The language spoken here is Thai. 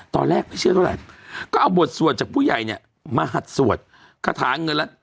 ตอนแรกไม่เชื่อเท่าไหร่ก็เอาบทสวดจากผู้ใหญ่เนี่ยมาหัดสวดคาถาเงินแล้ว